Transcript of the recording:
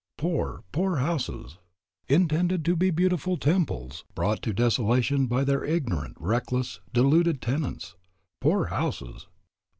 Poor, poor houses! Intended to be beautiful temples, brought to desolation by their ignorant, reckless, deluded tenants. Poor houses!